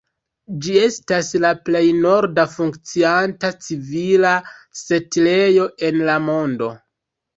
Ĝi estas la plej norda funkcianta civila setlejo en la mondo.